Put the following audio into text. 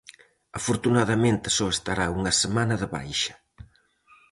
Afortunadamente só estará unha semana de baixa.